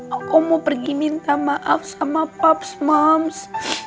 aku mau pergi minta maaf sama paps mams